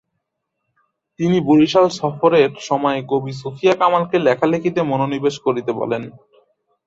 তিনি বরিশাল সফরের সময় কবি সুফিয়া কামালকে লেখালেখিতে মনোনিবেশ করতে বলেন।